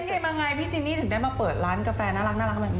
ใครมาไงพี่จินนี่ถึงได้มาเปิดร้านกาแฟน่ารักแบบนี้